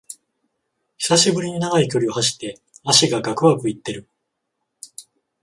久しぶりに長い距離を走って脚がガクガクいってる